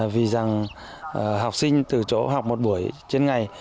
vì rằng học sinh từ chỗ học một buổi trên ngày